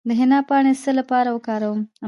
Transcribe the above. د حنا پاڼې د څه لپاره وکاروم؟